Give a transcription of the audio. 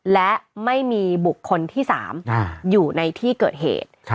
และไม่มีบุคคลที่๓อยู่ในที่เกิดเหตุ